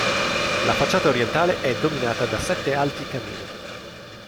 La facciata orientale è dominata da sette alti camini.